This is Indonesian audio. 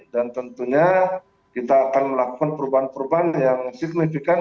dan tentunya kita akan melakukan perubahan perubahan yang signifikan